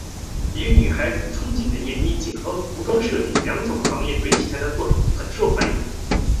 以女孩子憧憬的演艺界和服装设计两种行业为题材的作品很受欢迎。